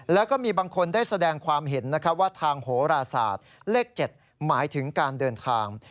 แล้วก็มีบางคนได้แสดงความเห็นว่าทางโหราศาสตร์เลข๗หมายถึงการเดินทาง